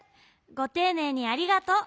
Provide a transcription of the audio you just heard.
ごていねいにありがとう。